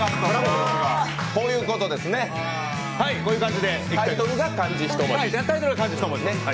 こういうことですね、タイトルが漢字１文字。